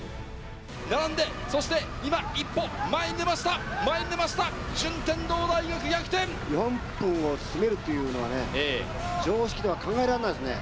並んで、今、今一歩、前に出ました、前に出ました、４分を詰めるというのはね、常識では考えられないですね。